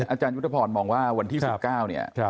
อาจารย์วุฒิพรมองว่าวันที่๑๙